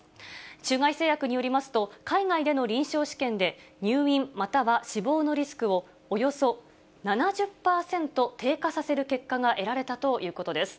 中外製薬によりますと、海外での臨床試験で、入院、または死亡のリスクを、およそ７０％低下させる結果が得られたということです。